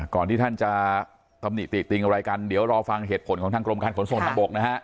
ที่ท่านจะตำหนิติติงอะไรกันเดี๋ยวรอฟังเหตุผลของทางกรมการขนส่งทางบกนะฮะ